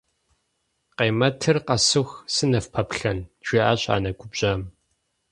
- Къемэтыр къэсыху сыныфпэплъэну? - жиӏащ анэ губжьам.